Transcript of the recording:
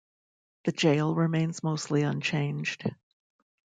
The jail remains mostly unchanged.